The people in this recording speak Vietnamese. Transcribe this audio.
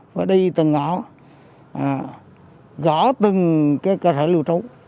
phải đi từng ngõ gõ từng cái cơ thể lưu trú